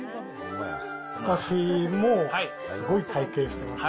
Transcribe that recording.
私もすごい体験しています。